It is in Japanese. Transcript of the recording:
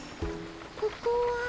ここは。